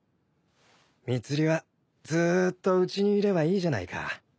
蜜璃はずーっとうちにいればいいじゃないか。